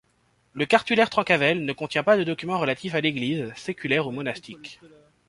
Le Cartulaire Trencavel ne contient pas de documents relatifs à l'Église, séculaire ou monastique.